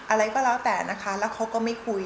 อะไรก็แล้วแต่นะคะแล้วเขาก็ไม่คุย